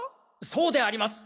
そうであります！